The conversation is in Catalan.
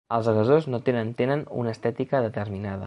Els agressors no tenen tenen una estètica determinada.